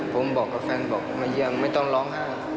ผมบอกกับแฟนบอกมาเยี่ยมไม่ต้องร้องไห้